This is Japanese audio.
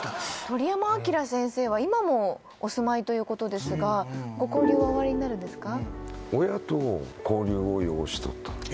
鳥山明先生は今もお住まいということですがご交流はおありになるんですか？